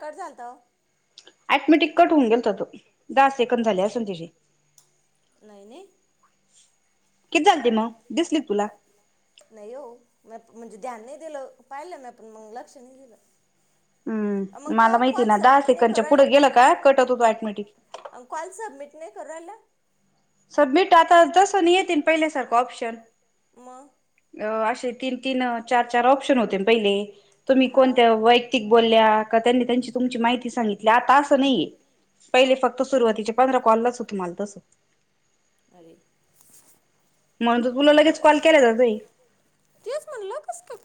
Cut झालताओ नाही नाही. किती झालते मग दिसली तुला. म म्हणजे ध्यान नाही, दिलं पाहिलं, म पण मग लक्ष नाही दिलं. मला माहिती ना दहा सेकंडच्या पुढे गेलं, का कट होत ऑटोमॅटिक मग [unintelligible] अ असे तीन तीन. चार चार ऑप्शन होते पहिले, तुम्ही कोणत्या वैयक्तिक बोलल्या, का त्यांनी त्यांची तुमची माहिती सांग इथले आता अस नाही पहिले, फक्त सुरुवातीचे पंधरा कॉललाच हो तुम्हाला तस अरे. म्हण त तुला लगेच कॉल केला जातय.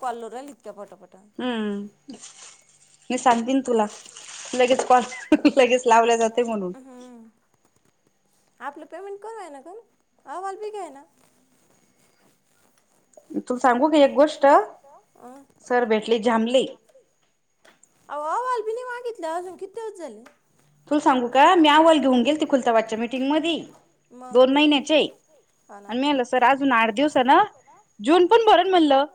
कल्लोल इतक पटोट हम्म. मी सांगतेन तुला लगेच, कॉल लगेच लावले जाते म्हणून. [unintelligible] आपलं पेमेंट करूय ना कर अहवाल बी घायना. तू सांगू की एक गोष्ट सर भेटली थांबली अ वाल्पि मागितल्या अजून किती झाले. तुलासांगू का मी आवाल घेऊन गेलते, तिखुलता वाजच्या मीटिंग मधी. दोन महिन्याचे. आणि मल सर अजून आठ दिवसा ना जुन पण भरण म्हणलं.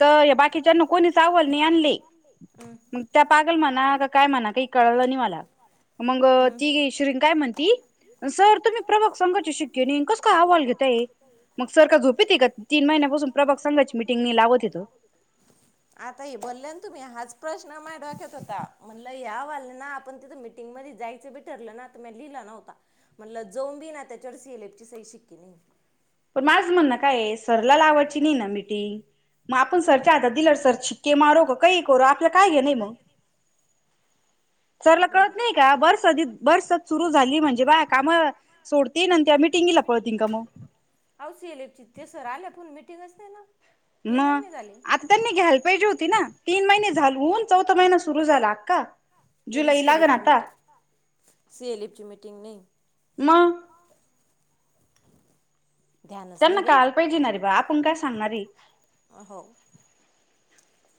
तर बाकीच्याना कोणी सा आवल नाही आणली. मग त्या पागल म्हणा का काय म्हणा का कळलं नाही मला. मग ती श्रीं काय म्हणती. सर तुम्ही प्रभाग संघाची शिक्के कस का अहवाल घेताय, मग सर का झोपेत आहे का तीन महिन. तीन महि आता ह बोलले. तुम्ही हाच प्रश्न मडेत होता, म्हण या वा ना आपण तिथ मीटिंग म जायचं ठरलं ना. लिहिला नता म्हण जोबी ना त्याच्यालेपची स शिक्की नाही. पण माझ म्हणन काय सर ला लावायची नि मीटिंग मा आपण सर आता दिल सर शिक्के मारो ग काही करू, आपलं काय घे नाही मग. [unintelligible] सरला कळत नाही का बर् बर्स सुरू झाली म्हणजे बा काम सोडते न म मिटिंग प तींगमो [unintelligible] अव सले चित ते सर आल्या, पण म मिटिंगच नाही ना. मग आता त्यांनी. घ्यायला पाहीजे होती ना, तीन महिने झाऊन चौथा महिना सुर झाला अख्खा, जुलै लागन आता. ह. सीएल एफची मीटिंग नाही. त्यांना काल पाहिजेणार रे बा आपण काय सांगणारी.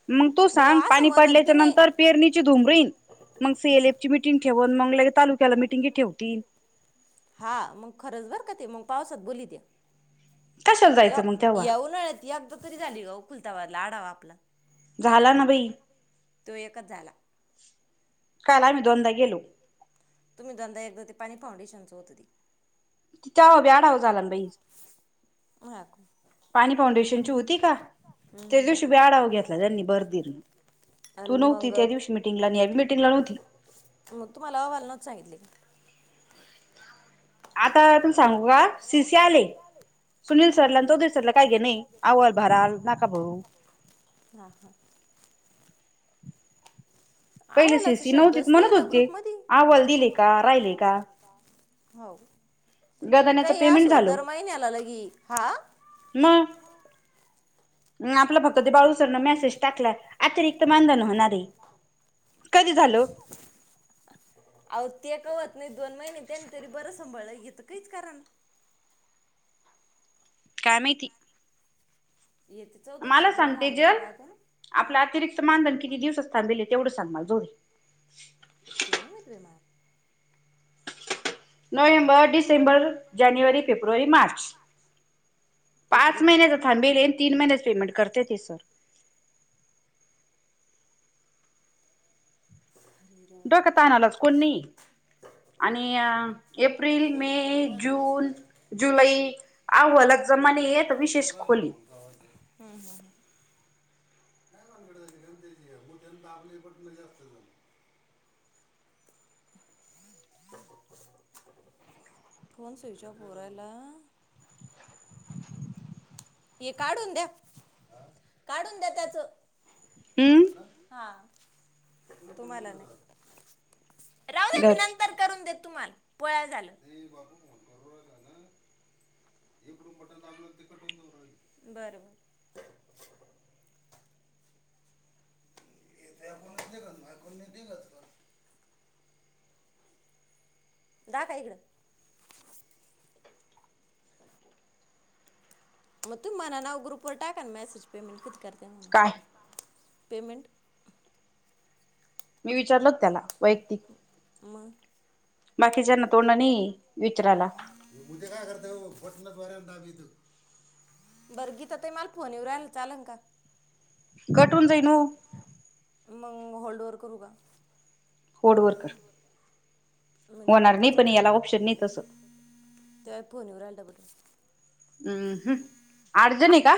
मग तू सांग पाणी पडल्याच्या नंतर पेरणीची धुमरीन. मग सीएलएफ ची मीटिंग ठेवून, मग ले तालुक्याला मिटिंगी ठेवतील. हा मग खरच बर का ते. पावसात बोली त्या येऊनळ ती अगदा तरी झाली ग कुलताबाद. लाडा वा आपला. झाला ना बई. काल आम्ही दोनदा गेलो. तुम्ही दोनदा एकदा ते पाणी फाउंडेशन च होत ते. तेव्हा बी अढावा झाला बाई पाणी फाउंडेशनची होती का त्या दिवशी बी आढावा घेतला त्यांनी [unintelligible] तू नव्हती त्या दिवशी मीटिंगला न यावी मिटिंगला नव्हती. मग तुम्हाला अहवाल नव्हते सांगितले? आता तुम सांगू का सिसी आले. सुनील सरला आणि तोघेर सरला काय घेण आहे अहवाल भरा नाका भरु. हा हा. पहिले सीसी नव्हती म्हणत होते अहवाल दिले का राहिले का. हो. ते काही असो दर महिन्याला लगीन हा [inaudible] आपलं फक्त ते बाळूसरन मेसेज टाकला अतिरिक्त मानधन होणार आहे. कधी झाल? आवती कवर नाही दोन महिने त्यांनी तरी बरं सांभाळ येत कहीच करणा काय माहिती. मला सांग तेजल आपलं अतिरिक्त मानधन किती दिवस थांबेल आहे. तेवढं सांग मला जाऊ दे ते नाही माहित बाय माय. नोव्हेंबर डिसेंबर जानेवारी फेब्रुवारी मार्च. पाच महिण्याच थाबेले हे आणि तीन महिण्याच पेमेंट करते तेे सर डोक्यात आणायलाच कोणी नाही आहे. आणि एप्रिल, मे, जून, जुलै अहवाल जमा नाही आहे तर विशेष खोली. [unintelligible] [inaudible] [unintelligible] फोन स्विच ऑफ होऊन राहिला. हे काढून द्या, काढून द्या त्याच हा तुम्हाला नाही. राहुद्या मी नंतर करून देते तुम्हाला [unintelligible] [unintelligible] बर बर. [inaudible] दया ते इकडं. मग तुम्ही म्हणा ना ग्रुप वर टाका ना मेसेज पेमेंट कधी करताय म्हणून. पेमेंट मी विचारलो त्याला वैयक्तिक म बाकीच्याना तोंडं नाही विचरायला. बटन जोऱ्यान दाबीत. बर गीता ताई मला फोन येऊ राहिला चालण का. कटवून जाईन ओ. मग होल्ड वर करू का? होल्ड वर कर. माझ्या पप्पाचा फोन ये त्यावर फोन येऊ राहिला बघ. हम् हम्म अर्जंट ये का.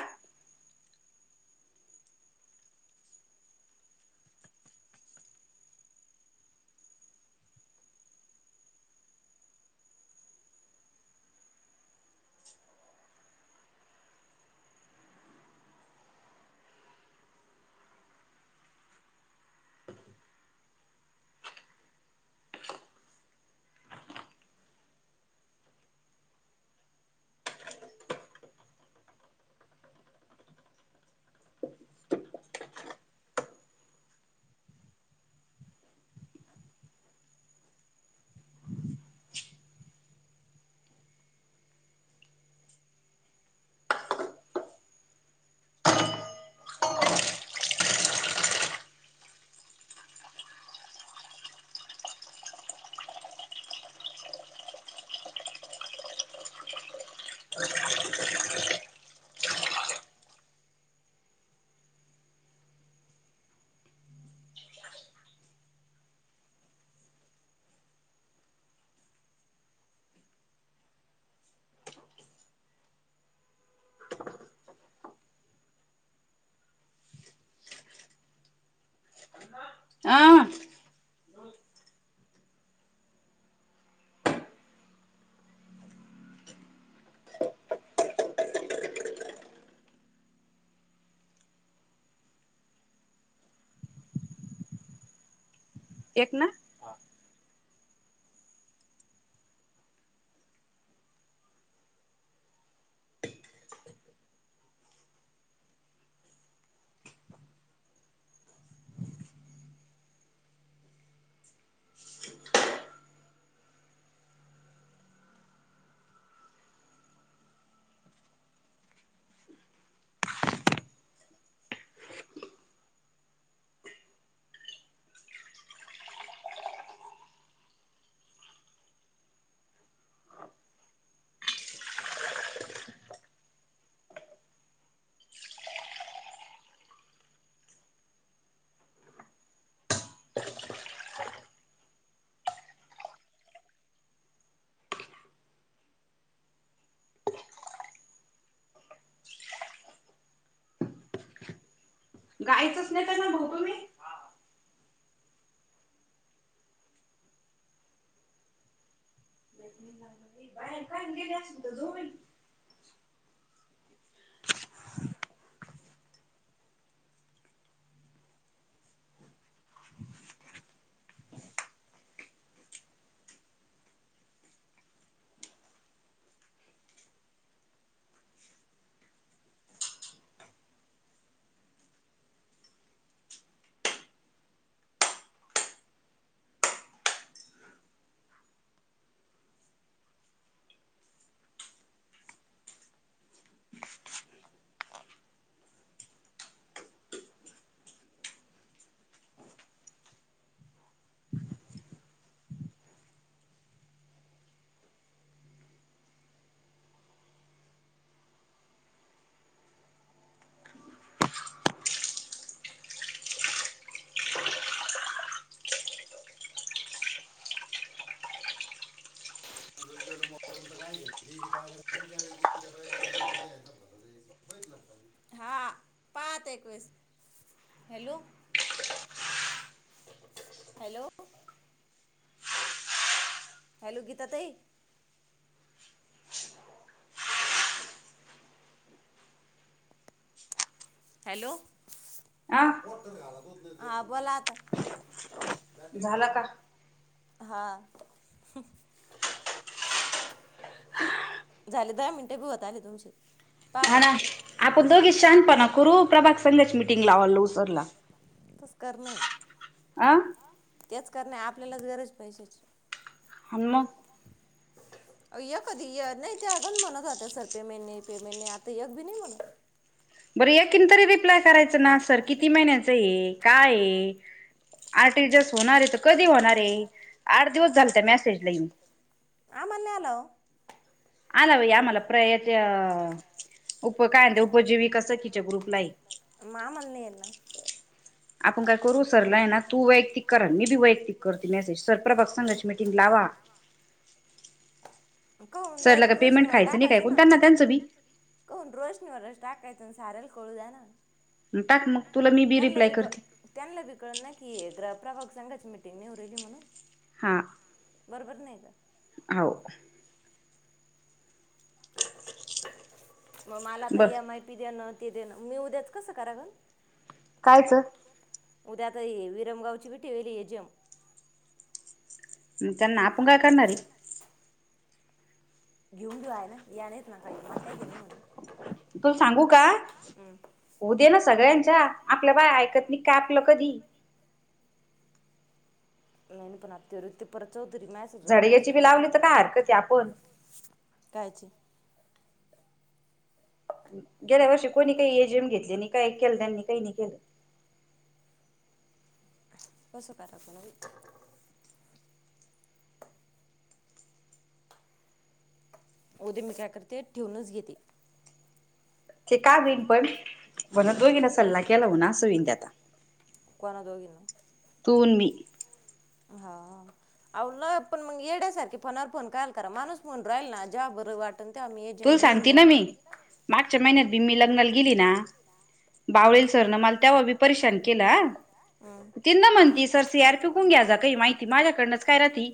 आ. एक ना गायचच नेतात ना भाऊ तुम्ही. [unintelligible] [unintelligible] [unintelligible] हा पाच एकवीस हॅलो. हॅलो. हॅलो गीता ताई. हॅलो हा बोला आता. झाला का. हा. झाले दहा मिनटे बी होत आले तुमचे. हाणा आपण दोघेच शहानपणा करु प्रभाक संघाची मिटिंग लावायला सरला. करणे. आह. तेच करणे आपल्यालाच गरज पैश्यांची य कधी नाही ते अगन म्हणत आ सर पेमेंट नाही पेमेंट नाही आता एक भी नाही म्हणून बरं याीन तरी रिप्लाय करायचं ना सर किती महिन्याचं ये काय ये. आठ दिस होणारे तर कधी होणारे आठ दिवस झाल त्या मॅसेज ला येऊन. आम्हाला नाही आला हो. आला भा या मला प्रय ते अ म आम्हाल नाही येणार. आपण काय करू सरलाय ना तू वैयक्तिक कर मी बी वैयक्तिक करते मेसेज सरप्रभक संघाची मीटिंग लावा. काऊन डायरेक्ट रोशनीवर टाकायचं ना काऊन रोशनी वर टाकायच सारल कळू द्या ना. त्यांनाल बी क त्यांनाला भी कळ न कि ग्रा बघ सांगाची मिटिंग नेई हु राहिली म्हणून. हा. बरोबर नाही का. हव. मग मला आ एम आय पी देणं ते देणं मी उद्याच कसं करागण. कायचं. उद्या आता विरमगावची भ ठे वईली हेजम मग त्यांना आपण काय करणारे. घेऊन घेऊ हाय ना. ग नाना खली मग गे नाही म्हंणा तूल सांगू का होऊ दे ना सगळ्यांच्या आपल्या बाय ऐकत नाही का आपलं कधी मन प ना ती उ ती परत झडे याची बी लावली तर काय हरकत आपण. कायची? गेल्या वर्षी कोणी काही ए जिम घेतली नाही काही केलं त्यांनी काही नाही केलं. कस. [unintelligible] उद्या मी काय करते ठेवूनच घेते. ते का विन पण म्हणत दोघीना सल्ला केला हो ना अस होईन ते आता. हा दोघीना तु नं मी हा आहो नाय पण मग येड्यासारखी फोनावर फोन काआला करा माणूस म्हणून राहिल ना जेव्हा बर वाट तु सांगते ना मी मागच्या महिन्यात बी मी लग्नाला गेली ना बावळेल सर न मला तेव्हा बी परेशान केलं आ तिनं म्हणती सर सी आर फिकून घ्या जा काही माहिती माझ्याकडनंच काय राहती.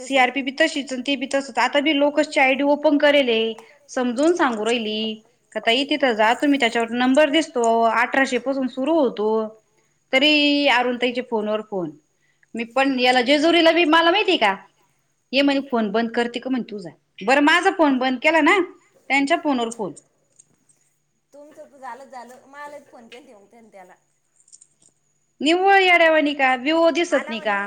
सी आर पी बी तशी ते बी तसच आता ते लोक चाईड ओपन करेलेय समजून सांगू रायली का ताई तिथं जा तुम्ही त्यावर नंबर दिसतो अठराशे पासून सुरू होतो तरी अरुण ताईचे फोनवर फोन मी पण याला जेजुरीला बी मला माहितीये का ये म्हणे फोन बंद करते का म्हण तूझा बरं माझा फोन बंद केला ना त्यांच्या फोनवर फोन झालं मलाबी फोन केलते मंग तेन त्याला निव्वळ येड्या वाणी का विवो दिसत नि का